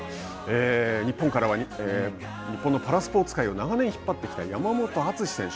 日本からは日本のパラスポーツ界を長年引っ張ってきた山本篤選手。